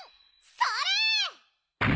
それ！